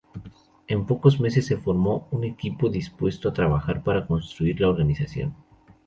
En pocos meses se formó un equipo dispuesto a trabajar para construir la organización.